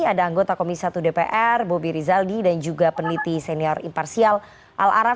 ada anggota komisi satu dpr bobi rizaldi dan juga peneliti senior imparsial al araf